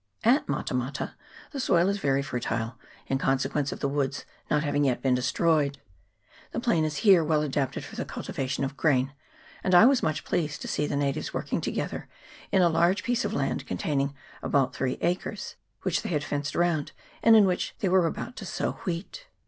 At mata Mata the soil is very fertile in conse quence of the woods not having yet been destroyed. The plain is here well adapted for the cultivation of grain, and I was much pleased to see the natives CHAP. XXVIII.] RIVER THAMES. 413 working together in a large piece of land containing about three acres, which they had fenced round, and in which they were about to sow wheat.